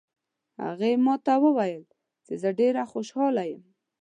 هغې ما ته وویل چې زه ډېره خوشحاله یم